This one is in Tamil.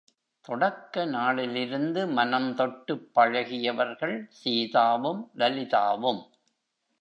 தொடக்க நாளிலிருந்து மனம்தொட்டுப் பழகியவர்கள் சீதாவும் லலிதாவும்.